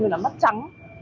là mắt trắng